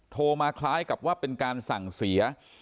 โทรมาคล้ายกับว่าเป็นการสั่งเสีย